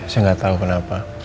saya gak tau kenapa